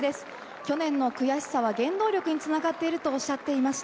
去年の悔しさは原動力につながっているとおっしゃっていました。